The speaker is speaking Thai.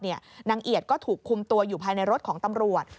นางเอียดก็ถูกคุมตัวอยู่ภายในรถของตำรวจ